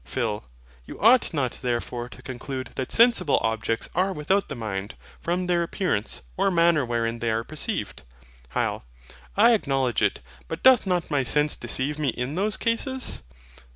PHIL. You ought not therefore to conclude that sensible objects are without the mind, from their appearance, or manner wherein they are perceived. HYL. I acknowledge it. But doth not my sense deceive me in those cases?